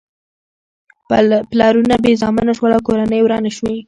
پلرونه بې زامنو شول او کورنۍ ورانې شوې.